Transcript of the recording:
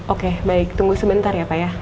oke baik tunggu sebentar ya pak ya